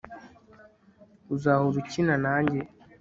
uzahora ukina nanjye